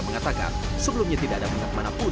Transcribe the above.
mengatakan sebelumnya tidak ada pengatmanapun